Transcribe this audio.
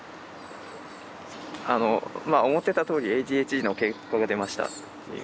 あのまあ思ってたとおりＡＤＨＤの結果が出ましたっていう。